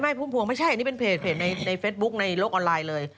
พุ่มพวงไม่ใช่อันนี้เป็นเพจในเฟซบุ๊คในโลกออนไลน์เลย